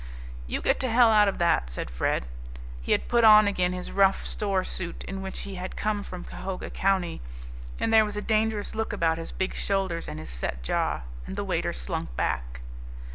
"You get to hell out of that!" said Fred. He had put on again his rough store suit in which he had come from Cahoga County, and there was a dangerous look about his big shoulders and his set jaw. And the waiter slunk back.